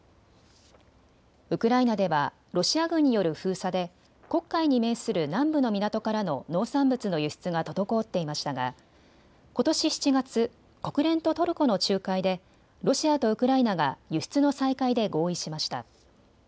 ウクライナではロシア軍による封鎖で黒海に面する南部の港からの農産物の輸出が滞っていましたがことし７月、国連とトルコの仲介でロシアとウクライナが輸出の再開で合意しました。